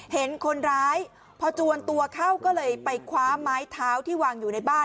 เห็นคนร้ายพอจวนตัวเข้าก็เลยไปคว้าไม้เท้าที่วางอยู่ในบ้าน